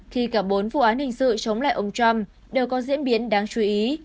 khi cả bốn vụ án hình sự chống lại ông trump đều có diễn biến đáng chú ý